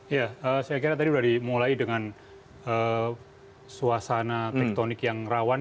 ya saya kira tadi sudah dimulai dengan suasana tektonik yang rawan